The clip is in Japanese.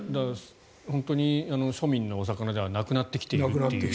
本当に庶民のお魚ではなくなってきていると。